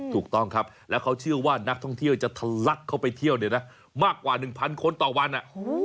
ถูกต้องครับแล้วเขาเชื่อว่านักท่องเที่ยวจะทะลักเข้าไปเที่ยวเนี่ยนะมากกว่า๑๐๐คนต่อวัน